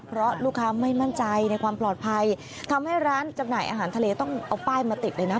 เพราะลูกค้าไม่มั่นใจในความปลอดภัยทำให้ร้านจำหน่ายอาหารทะเลต้องเอาป้ายมาติดเลยนะ